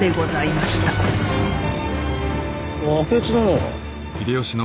明智殿。